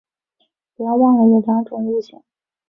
不要忘了有两种路线